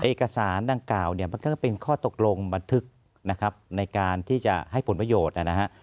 เอกสารดังกล่าวเนี่ยมันก็เป็นข้อตกลงบันทึกนะครับในการที่จะให้ผลประโยชน์นะฮะ